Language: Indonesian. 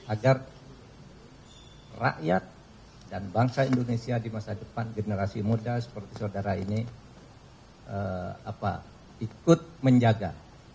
agar rakyat dan bangsa indonesia di masa depan generasi muda seperti saudara ini ikut menjaga